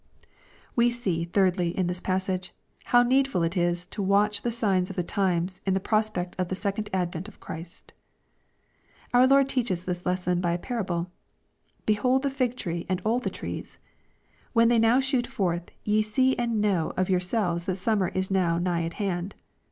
We see, thirdly, in this passage, how needful it is to watch the signs of the times in the prospect of the second advent of Christ, Our Lord teaches this lesson by a parable :*' Behold the fig tree and all the trees : when they now shoot forth, ye see and know of your own selves that summer is now nigh at hand.